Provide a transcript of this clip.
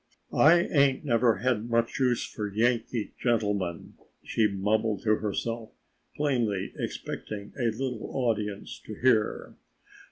"I ain't never had much use for Yankee gentlemen," she mumbled to herself, plainly expecting the little audience to hear.